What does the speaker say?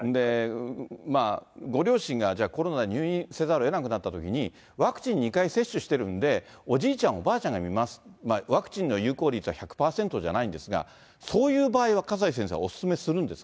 まあご両親がじゃあ、コロナで入院せざるをえなくなったときに、ワクチン２回接種してるんで、おじいちゃん、おばあちゃんが見ます、ワクチンの有効率は１００％じゃないんですが、そういう場合は笠井先生はお勧めするんですか？